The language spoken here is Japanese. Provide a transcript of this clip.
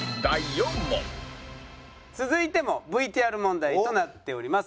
続いてもＶＴＲ問題となっております。